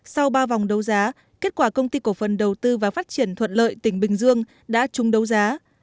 sau ba vòng đấu giá kết quả công ty cổ phần đầu tư và phát triển thuận lợi tỉnh bình dương đã chung đấu giá